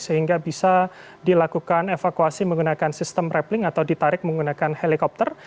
sehingga bisa dilakukan evakuasi menggunakan sistem rappling atau ditarik menggunakan helikopter